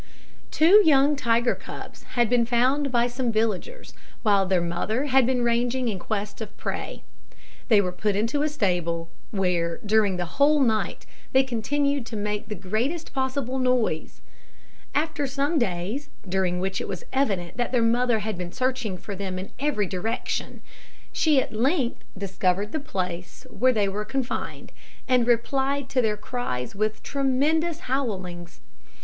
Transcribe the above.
Two young tiger cubs had been found by some villagers, while their mother had been ranging in quest of prey. They were put into a stable, where, during the whole night, they continued to make the greatest possible noise. After some days, during which it was evident that their mother had been searching for them in every direction, she at length discovered the place where they were confined, and replied to their cries with tremendous howlings.